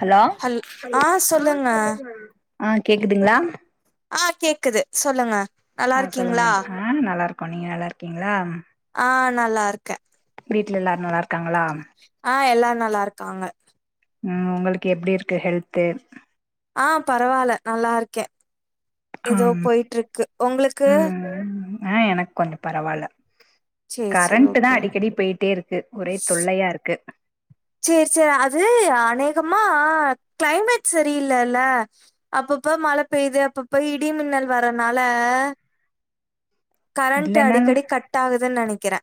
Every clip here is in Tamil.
ஹலோ ஹல் ஆ சொல்லுங்க அ கேக்குதுங்ளா ஆ கேக்குது சொல்லுங்க நல்லா அ சொல்லுங்க இருக்கீங்களா ஆ நல்லாருக்கோ நீங்க நல்லாருக்கீங்ளா ஆ நல்லார்க்க வீட்ல எல்லார் நல்லார்க்காங்களா ஆ எல்லாரு நல்லாருக்காங்க ம் உங்களுக்கு எப்டி இருக்கு ஹெல்த்து ஆ பரவால்லா நல்லாருக்கே எதோ ஆம் போயிட்டு இருக்கு ஒங்களுக்கு ம் ஆ எனக்கு கொஞ்ச பரவால்ல சேரி சேரி கரண்ட்டு தா ஓகே அடிக்கடி போயிட்டே இருக்கு ஒரே தொல்லையா இருக்கு சேரி சேரி அது அநேகமா கிளைமேட் சரியில்லல்ல அப்பப்ப மழ பெயுது அப்பப்ப இடி மின்னல் வரனால கரண்ட்டு இல்லன்னா அடிக்கடி கட் ஆகுதுன்னு நெனைக்கிற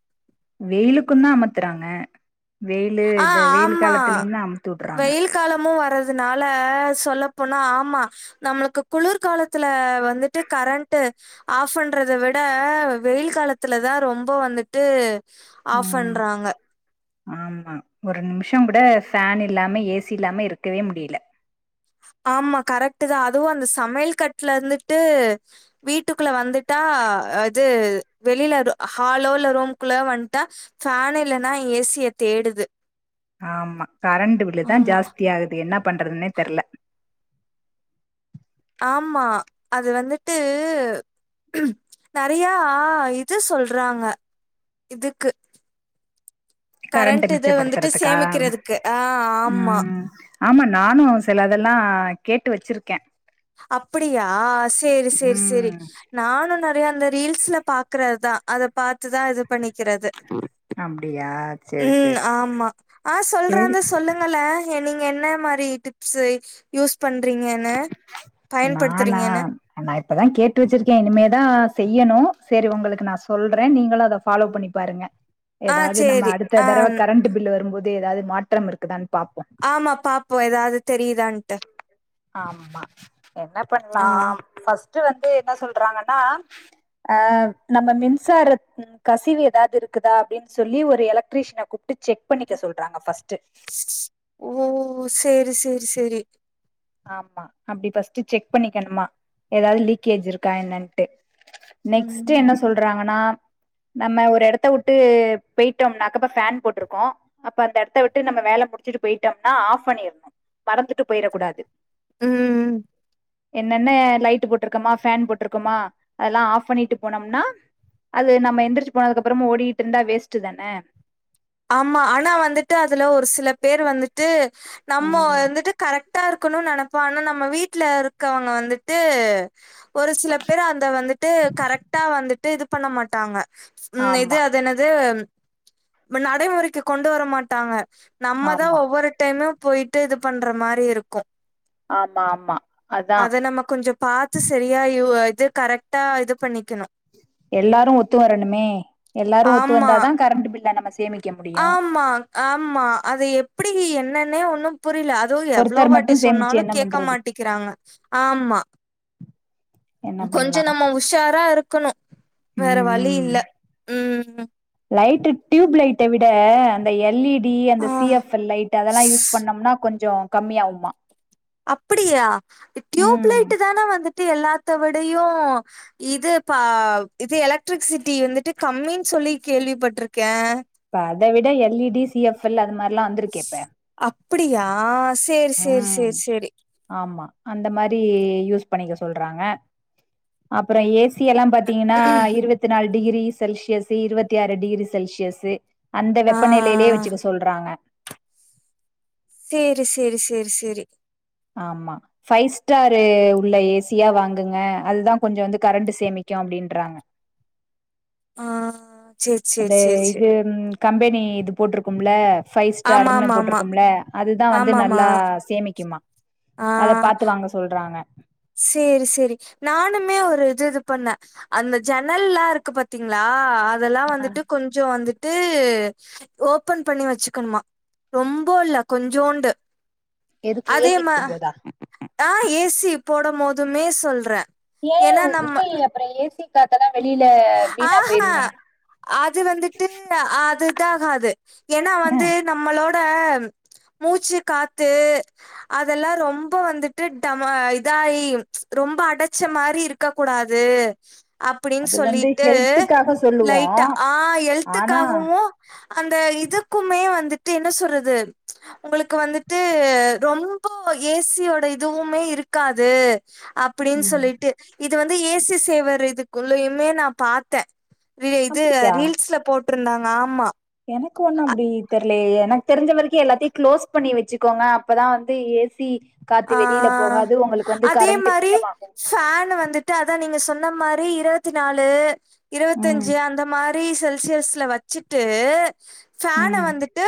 வெயிலுக்கும் தா அமத்துறாங்க வெயிலு ஆ இத வெயில் காலத்துலயு தா அமுத்துட்றாங்க காலமு வறதுனால சொல்ல போனா ஆமா நம்மளுக்கு குளிர் காலத்துல வந்துட்டு கரண்ட்டு ஆஃப் பண்றத விட வெயில் காலத்துல தா ரொம்ப வந்துட்டு ஆஃப் ம் பண்றாங்க ஆமா ஒரு நிமிஷம் கூட ஃபேன் இல்லாம ஏசி இல்லாம இருக்கவே முடியில ஆமா கரெட்டு தா அதுவும் அந்த சமையல் கட்ல இருந்துகிட்டு வீட்டுக்குள்ள வந்துட்டா அது வெளில ஹாலோ இல்ல ரூம்குள்ள வண்ட்டா ஃபேன் இல்லன்னா ஏசிய தேடுது ஆமா கரண்ட்டு பில்லு தா ஆமா, ஜாஸ்தியா ஆகுது என்ன பண்றதுன்னே தெர்ல ஆமா அது வந்துட்டு நெறையா இது சொல்றாங்க இதுக்கு கரண்ட்ட கரண்ட்டு இத வந்துட்டு மிச்சப்படுத்துறதுக்கா சேமிக்கிறதுக்கு ஆ ஆமா ம் ஆமா நானும் சில அதெல்லாம் கேட்டு வச்சிருக்கே அப்டியா செரி செரி செரி ம் நானும் நெறையா அந்த ரீல்ஸ்ல பாக்கறதான் அத பாத்துதான் இது பண்ணிக்கிறது அப்டியா சேரி ம் சேரி ஆமா ஆ சேரி சொல்றாந்த சொல்லுங்க ங்கள நீங்க என்ன மாரி டிப்ஸ்சு யூஸ் பண்றீங்கன்னு நானா பயன்படுத்துறீங்கன்னு? நா இப்பதா கேட்டு வச்சிருக்கேன் இனிமேதா செய்யணும் செரி உங்களுக்கு நான் சொல்றன் நீங்களும் அத ஃபாலோ பண்ணி பாருங்க ஆ எதாவது நம்ம சேரி. அடுத்த ஆ தடவ கரண்ட்டு பில்லு வரும்போது எதாவது மாற்றம் இருக்குதான்னு பாப்போம் ஆமா பாப்போம் எதாவது தெரியுதான்ட்டு ஆமா என்ன ஆ. பண்ணலாம் ஃபஸ்ட்டு வந்து என்ன சொல்றாங்கன்னா ஆ நம்ம மின்சாரத் கசிவு எதாவது இருக்குதா அப்டின் சொல்லி ஒரு எலக்ட்ரீஷியன கூப்ட்டு செக் பண்ணிக்க சொல்றாங்க பஸ்ட்டு ஓ செரி செரி செரி ஆமா அப்டி பஸ்ட்டு செக் பண்ணிக்கணுமா எதாவது லீக்கேஜி இருக்கா என்னான்ட்டு நெக்ஸ்ட்டு ம். என்ன சொல்றாங்கன்னா நம்ம ஒரு எடத்த உட்டு போயிட்டோம்னாக்க இப்ப ஃபேன் போட்டுருக்கோம் அப்ப அந்த எடத்த விட்டு நம்ம வேல முடிச்சிட்டு போயிட்டோம்னா ஆஃப் பண்ணிடணும் மறந்துட்டு போயிற கூடாது ம் என்னென்ன லைட்டு போட்டுருக்கோமா ஃபேன் போட்டுருக்கோமா அதெல்லா ஆஃப் பண்ணிட்டு போனோம்னா அது நம்ம எந்திரிச்சி போனதுக்கப்புறமு ஓடிகிட்டு இருந்தா வேஸ்ட்டு தானே ஆமா ஆனா வந்துட்டு அதுல ஒரு சில பேர் வந்துட்டு நம்ம வந்துட்டு கரெட் டா இருக்கணும்னு நெனப்போம் ஆனா நம்ம வீட்ல இருக்கவங்க வந்துட்டு ஒரு சில பேரு அந்த வந்துட்டு கரெட்டா வந்துட்டு இது பண்ண மாட்டாங்க ம் இது ஆமா அது என்னது ம நடைமுறைக்கு கொண்டு வர மாட்டாங்க நம்மதா ஆமா ஒவ்வொரு டைமு போய்ட்டு இது பண்ற மாரி இருக்கு ஆமா ஆமா அதா அத நம்ம கொஞ்சோ பாத்து சரியா யு இது கரெக்டா இது பண்ணிக்கணு எல்லாரு ஒத்து வரணுமே எல்லாரு ஒத்து ஆமா. வந்தாதா கரெண்ட் பில்ல நம்ப ஆமா ஆமா அது எப்டி என்னன்னே ஒண்ணு புரியில அதுவு எவ்ளோ ஒருத்தர் மட்டு வாட்டி சேமிச்சு சொன்னாலு என்ன கேட்க பண்றது மாட்டிக்கிறாங்க ஆமா என்ன கொஞ்சோ பண்லா நம்ம உஷாரா இருக்கணு வேற ம் வழி ம் இல்ல உம் லைட்டு டியூப் லைட்ட விட அந்த எல் இ டி ஆ அந்த சி எப் எல் லைட் அதெல்லா யூஸ் பண்ணோம்னா கொஞ்சோ கம்மியாகுமா அப்டியா டியூப் ம் லைட்டு தானே வந்துட்டு எல்லாத்த விடயு இது பா இது எலக்ட்ரிக்சிட்டி வந்துட்டு கம்மினு சொல்லி கேள்விப்பட்டிருக்கே இப்ப அத விட L E D C F L அது மாரில்லா வந்திருக்கே இப்ப அப்படியா? சரி, சரி, உம் சரி, சரி. ஆமா அந்த மாரி யூஸ் பண்ணிக்க சொல்றாங்க அப்புறோ ஏசி எல்லா பாத்தீங்கன்னா இருவத்தி நாலு டிகிரி செல்சியஸு இருவத்தி ஆறு டிகிரி செல்சியஸு அந்த ஆ. வெப்பநிலையிலேயே வச்சுக்க சொல்றாங்க சேரி சேரி சேரி சேரி ஆமா ஃபைவ் ஸ்டாரு உள்ள ஏசியா வாங்குங்க அதுதா கொஞ்சோ வந்து கரண்ட்டு சேமிக்கு அப்டின்றாங்க ஆஹ் அந்த இது கம்பெனி இது போட்ருக்கும்ல ஃபைவ் ஸ்டாருன்னு ஆமாமாமா போட்ருக்கும்ல அதுதா வந்து ஆமாமா நல்லா சேமிக்குமா ஆ அத பாத்து வாங்க சொல்றாங்க சேரி சேரி நானுமே ஒரு இது இது பண்ணே அந்த ஜன்னல்லா இருக்கு பாத்தீங்ளா அதெல்லா வந்துட்டு கொஞ் சோ வந்துட்டு ஓபன் பண்ணி வச்சுக்கணுமா ரொம்ப இல்ல கொஞ்சோண்டு எதுக்கு அதே ஏசி மா இருக்கும் போதா ஆ ஏ சி போடும் போதுமே சொல்றே ஏ ஏன்னா நம்ம இல்ல அப்புறோ ஏ சி காத்தால்லா வெளியில வீணா ஆஹா போயிருமே அது வந்துட்டு அது இதாகாது ஏன்னா ஆ வந்து நம்மளோட மூச்சு காத்து அதெல்லா ரொம்ப வந்துட்டு டமா இதாயி ரொம்ப அடைச்ச மாரி இருக் க்க கூடாது அப்டின்னு அது சொல்லி வந்து விட்டு ஹெல்த்துக்காக சொல்லுவோ லைட்டா ஆ ஆனா ஹெல்த்துக்காகவு அந்த இதுக்குமே வந்துட்டு என்ன சொல்றது உங்களுக்கு வந்துட்டு ரொம்ப ஏ சி யோட இதுவுமே இருக்காது அப்டின்னு ம் சொல்லிட்டு இது வந்து ஏ சி சேவர் இதுக்குல்லயுமே நா பாத்தே வே இது அப்டியா ரீல்ஸ்ல போட்ருந்தாங்க ஆமா எனக்கு ஒண்ணு அப்டி தெர்லயே எனக்கு தெரிஞ்ச வரைக்கு எல்லாத்தையு க்ளோஸ் பண்ணி வச்சுக்கோங்க அப்பதா வந்து ஏ சி ஆ அதே மாரி மிச்சமாகு ஃபேன் வந்துட் டாதா நீங்க சொன்ன மாரி இருவத்தி நாலு ம் இருபத்தஞ்சு அந்த மா ரி செல்சியஸ்ல வச்சுட்டு ஃபேன்ன ம் வந்துட்டு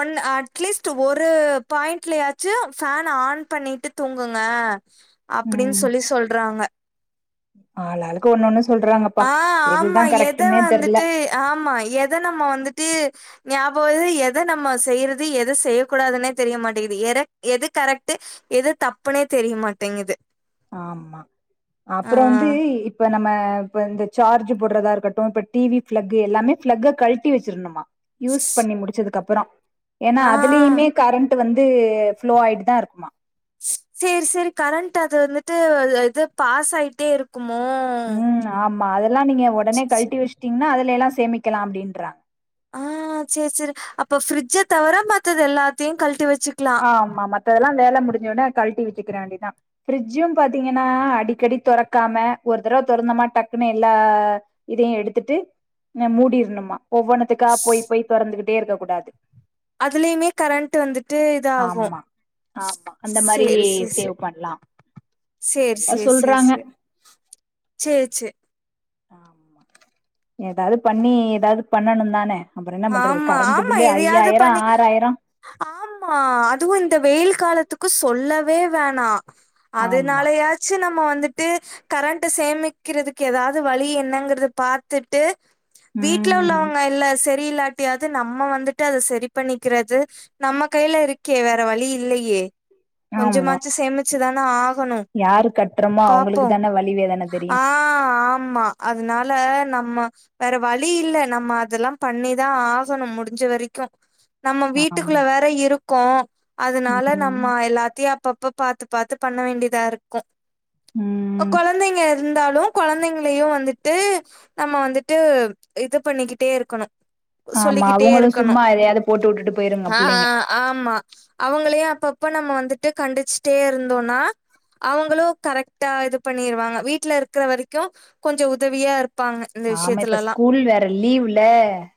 ஒன் அட்லீஸ்ட் ஒரு பாயிண்ட்லயாச்சு ஃபேன்ன ஆன் பண்ணிட்டு தூங்குங்க அப்டின்னு ம் சொல்லி சொல்றாங்க ஆளாளுக்கு ஒண்ணு ஒண்ணு சொல்றாங்கப்பா ஆ ஆமா. எதுதா எத கரெக்டுன்னே தெர்ல வந்துட்டு ஆமா எத நம்ம வந்துட்டு ஞாபகோ வல்லி எத நம்ம செய்யறது எத செய்ய கூடாதுன்னே தெரிய மாட்டேங்குது எர எது கரெக்ட்டு எது தப்புனே தெரியமாட்டேங்குது ஆமா அப்றோ வந்து இப்ப நம்ம இப்ப இந்த சார்ஜ் போடுறதா இருக்கட்டு இப்ப டி வி பிளக் எல்லாமே பிளக்க கழட்டி வச்சிரணுமா யூஸ் பண்ணி முடிச்சதுக்கு அப்புறோ ஏனா ஆ. அதுலயுமே கரண்ட் வந்து ஃப்ளோ ஆயிட்டு தா இருக்குமா சேரி சேரி கரண்ட் அது வந்துட்டு இது பாஸ் ஆயிட்டே இருக்குமோ ம் ஆமா அதெல்லா நீங்க உடனே சரி, சரி. கழட்டி வச்ட்டீங்ன்னா அதுல எல்லா சேமிக்கலா அப்டின்றாங்க ஆ சேரி சேரி அப்ப ஃப்ரிட்ஜ்ஜ தவிர மத்தது எல்லாத்தையு கழட்டி வச்சுக்லா ஆமா மத்ததெல்லா வேல முடிஞ்ச உனே கழட்டி வச்சுக்கிற வேண்டியதா ஃப்ரிட்ஜ்ஜு பாத்தீங்கன்னா அடிக்கடி தொறக்காம ஒரு தடவ தொறந்தோமா டக்குனு எல்லா இதையு எடுத்துட்டு மு மூடிரணுமா ஒவ்வொன்னத்துக்கா போய் போய் தொறந்துகிட்டே இருக்க கூடாது அதுலயுமே கரண்ட் வந்துட் டு இதாகு ஆமா ஸ் ஆமா அந்த மாரி செரி செரி சேவ் பண்லா செரி நெறைய செரி செரி செரி சொல்றாங்க செரி செரி செ ஏதாது பண்ணி ஏதாது பண்ணணு தான அப்புறோ என்ன பண்றது ஆமா, கரண்ட் ஆமா. பில்லு எதையாவது ஐயாயிரோ பண்ணி ஆறாயிரோ ஆமா அதுவு இந்த வெயில் காலத்துக்கு சொல்லவே வேணா ஆமா அதனாலயாச்சு நம்ம வந்துட்டு கரண்ட சேமிக்கிறதுக்கு ஏதாவ்து வழி என்னங்கிறது பாத்துட்டு வீட்ல ம் உள்ளவங்க இல்ல செ செரி இல்லாட்டியாது நம்ம வந்துட்டு அத சரி பண்ணிக்கிறது நம்ம கையில இருக்கே வேற வழி இல்லயே ஆமா கொஞ்சமாச்சு சேமிச்சுதான ஆகணு யாரு கட்றோமோ பாப்போ அவுங்களுக்கு தான வலி வேதன தெரியு ஆ ஆமா அதனால நம்ம வேற வழி இல்ல நம்ம அதெல்லா பண்ணிதா ஆகணு முடிஞ்ச வரைக்கு நம்ம வீட்டுக்குள்ள ஆமா வேற இருக்கோ அதனால நம்ம ம் எல்லாத்தையு அப்பப்ப பாத்து பாத்து பண்ண வேண்டியதா இருக்கு ஒ ம் கொழந்தைங்க இருந்தாலு கொழந்தைங்க லயு வந்துட்டு நம்ம வந்துட்டு இது பண்ணிக்கிட்டே இருக்கணு ஆமா அவுங்களு சும்மா எதயாவது போட்டு விட்டுட்டு போயிருங்க ஆ புள்ளைங்க ஆமா அவுங்களையு அப்பப்ப நம்ம வந்துட்டு கண்டிச்சுட்டே இருந்தோம்னா அவுங்களு கரெக்டா இது பண்ணிருவாங்க வீட்ல இருக்குற வரைக்கு கொஞ்சோ உதவியா இரு ப்பாங்க இந்த ஆமா இப்ப விஷயத்துலலா ஸ்கூல் வேற லீவ்ல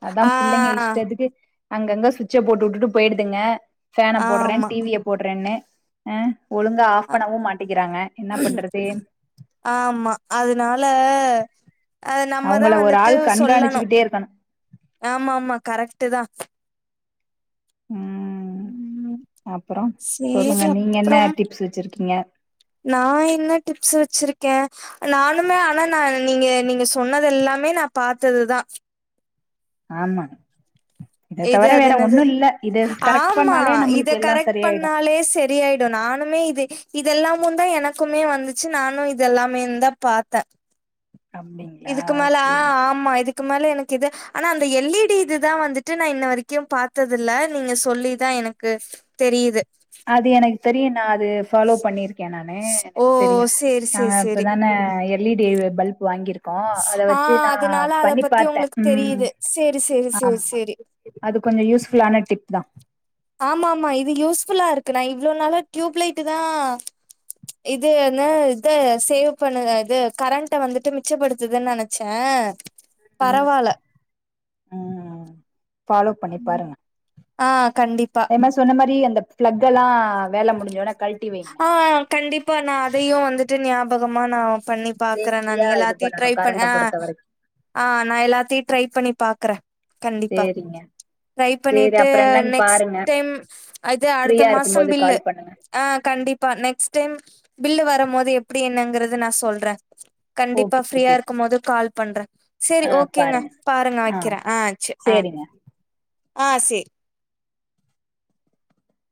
அதா புள்ளைங்க இஷ்டத்துக்கு அங்கங்க சுவிட்ச போட்டு வுட்டுட்டு போய்டுதுங்க ஃபேன போடுறே ஆமா. டி விய போடுறேன்னு அ ஒழுங்கா ஆஃப் அ பண்ணவு மாட்டேக்கிறாங்க என்ன பண்றது ஆமா அதுனால அது நம்ம தா அவங்கள ஒரு வந்துட்டு ஆள் சொல்லணு கண்காணிச்சுக்கிட்டே இருக்கணு ஆமா ஆமா கரெக்ட்டு தா ம் ம். அப்புறோ சொல்லுங்க சரி நீங்க என்ன டிப்ஸூ வச்சிருக்கீங்க நா என்ன டிப்ஸ் வச்சிருக்கே நானுமே ஆனா நா நீங்க நீங்க ஸ் சொன்னது எல்லாமே நா பாத்தது தா ஆமா இத இது தவர அது வேற என்னது ஒண்ணு இல்ல இத கரெக்ட் பண்ணாலே நம்ளுக்கு எல்லா சரியாயிடு ளே செர் சரியாயிடு நானுமே இது இத எல்லாமுந்தா எனக்குமே வந்துச்சு நானு இது எல்லாமே தா பாத்தே அப்டிங்களா இதுக்கு மேல சேரி ஆமா இதுக்கு மேல எனக்கிது ஆனா அந்த எல் இ டி இது தா வந்துட்டு நா இன்ன வரைக்கு பாத்ததில்ல நீங்க சொல்லி தா எனக்கு தெரியிது அது எனக்கு தெரியு நா அது ஃபாலோ பண்ணியிருக்கே நானு ஓ! எனக்கு தெரியு சேரி, நாங்க சேரி, இப்ப சேரி. தான எல் இ டி பல்ப் வாங்கியிருக் கோ அத ஆ வெச்சு நா அதனால அத பண்ணி பத்தி பாத்தே உங்களுக்கு ம் தெரியுது. சேரி, சேரி, சேரி, ஆமா சேரி. அது கொஞ்சோ யூஸ்ஃபுல்லான டிப் தா ஆமா ஆமா இது யூஸ்ஃபுல்லா இருக்கு நா இவ்ளோ நாளா டியூப் லைட்டு தா இது என்ன இது சேவ் பண்ணு இது கரண்ட்ட வந்துட்டு மிச்சப்படுத்துன் நெனச்சே அ பரவால்ல ஆ ஃபாலோ பண்ணி பாருங்க ஆ கண்டிப்பா நா சொன்ன மாரி அந்த பிளக்கெலா வேல முடுஞ்சோனா கழ்ட்டி வைங்க ஆ கண்டிப்பா நா அதையு வந்துட்டு ஞாபகமா நா பண்ணி பாக்கறே நானு சேஃப்டியா இது எல்லாத்தையு பண்ணணு ட்ரை பண்ணி கரண்ட ஆ பொறுத்த வரைக்கு ஆ நா எல்லாத்தையு ட்ரை பண்ணி பாக்றே சேரிங்க ட்ரை சேரி பண்ணீட்டு அப்புறோ என்னன்னு நெக்ஸ்ட் பாருங்க டைம் இது அடுத்த ஃப்ரீயா இருக்கும் மாசம் போது பில்லு கால் பண்ணுங்க ஆ கண்டிப்பா நெக்ஸ்ட் டைம் பில்லு வரம் போது எப்டி என்னங்கறத நா சொல்றே கண்டிப்பா ஓகே ஃப்ரீயா ஓகே இருக்கும் போது கால் பண்றே சேரி ஆ ஓகேங்க பாருங்க பாருங்க வைக்கிறே ஆ சேர் ஆ சேரிங்க ஆ சேரி